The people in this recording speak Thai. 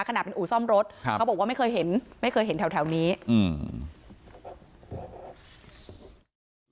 ขนาดเป็นอู่ซ่อมรถครับเขาบอกว่าไม่เคยเห็นไม่เคยเห็นแถวแถวนี้อืม